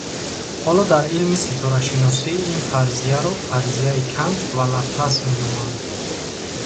Ҳоло дар илми ситорашиносӣ ин фарзияро фарзияи Кант ва Лаплас меноманд.